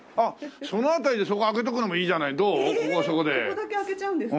ここだけ空けちゃうんですか？